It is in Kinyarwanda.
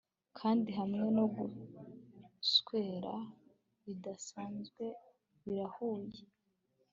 kandi hamwe no guswera bidasanzwe birahuye